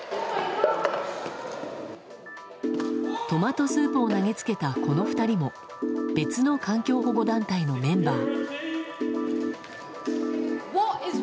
トマトスープを投げつけたこの２人も別の環境保護団体のメンバー。